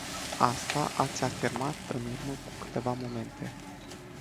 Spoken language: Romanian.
Asta ați afirmat în urmă cu câteva momente.